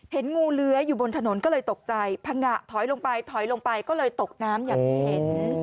เห็นงูเลื้อยอยู่บนถนนก็เลยตกใจพังงะถอยลงไปถอยลงไปก็เลยตกน้ำอย่างที่เห็น